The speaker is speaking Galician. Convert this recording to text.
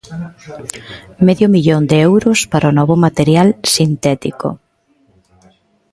Medio millóns de euros para o novo material sintético.